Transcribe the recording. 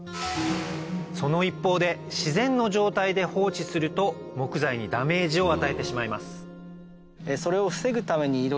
その一方で自然の状態で放置すると木材にダメージを与えてしまいます